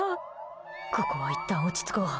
ここはいったん落ち着こう。